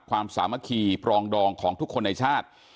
ความสามารถของทุกคนในชาติ